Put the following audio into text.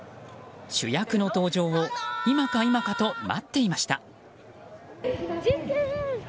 主役の登場を今か今かと待っていました。